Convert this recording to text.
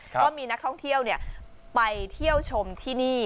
ก็มีนักท่องเที่ยวไปเที่ยวชมที่นี่